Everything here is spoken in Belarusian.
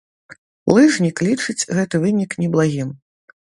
Лыжнік лічыць гэты вынік неблагім.